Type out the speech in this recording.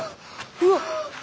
うわっ！